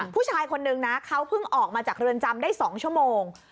ผู้ชายคนนึงนะเขาเพิ่งออกมาจากเรือนจำได้๒ชั่วโมง